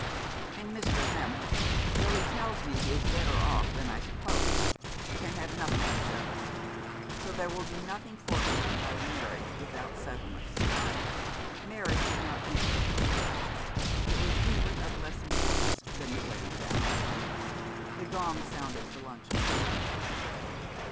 'And Mr. Hammond, though he tells me he is better off than I supposed, can have nothing to settle. So there will be nothing forfeited by a marriage without settlements.' Mary could not enter upon the question. It was even of less importance than the wedding gown. The gong sounded for luncheon.